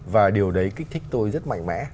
và điều đấy kích thích tôi rất mạnh mẽ